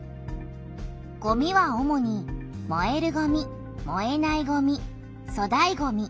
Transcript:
ごみは主にもえるごみもえないごみそだいごみ